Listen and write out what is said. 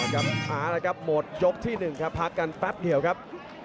ครับอาละครับหมดยกที่หนึ่งครับพักกันแป๊บเดี๋ยวครับ